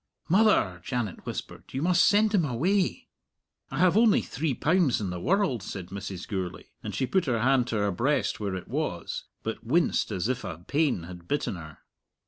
"Mother," Janet whispered, "you must send him away." "I have only three pounds in the world," said Mrs. Gourlay; and she put her hand to her breast where it was, but winced as if a pain had bitten her.